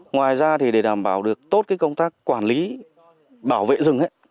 ngoài ra để đảm bảo được tốt công tác quản lý bảo vệ rừng